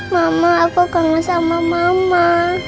mama aku kangen sama mama